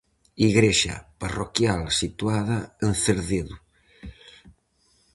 Igrexa parroquial situada en Cerdedo.